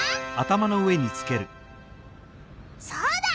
そうだ！